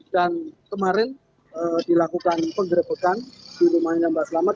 dan kemarin dilakukan penderbitan di rumahnya mbak selamet